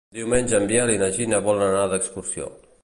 Diumenge en Biel i na Gina volen anar d'excursió.